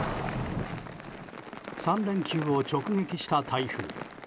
３連休を直撃した台風。